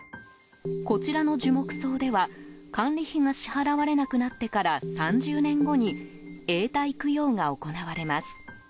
こちらの樹木葬では管理費が支払われなくなってから３０年後に永代供養が行われます。